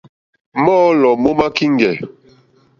Mɔ́ɔ̌lɔ̀ má má kíŋɡɛ̀.